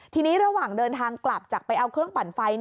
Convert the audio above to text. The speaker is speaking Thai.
ทีนี้ระหว่างเดินทางกลับจากไปเอาเครื่องปั่นไฟ